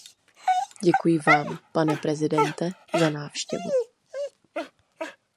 Děkuji vám, pane prezidente, za návštěvu.